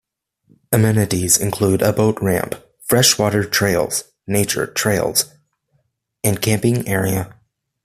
Amenities include a boat ramp, fresh water trails, nature trails, and a camping area.